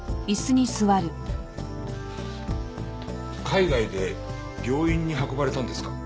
海外で病院に運ばれたんですか？